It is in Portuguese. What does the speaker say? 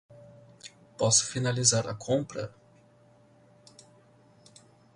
Posso finalizar a compra?